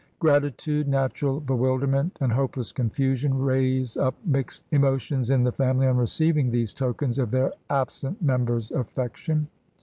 Grati tude, natural bewilderment, and hopeless confusion raise up mixed emotions in the family on receiving these tokens of their absent member's affection.